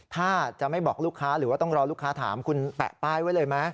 ถ้าจะไม่บอกลูกค้าหรือว่าต้องรอลูกค้าถามคุณแปะป้ายไว้เลยไหม